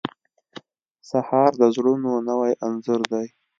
سهار د زړونو نوی انځور دی.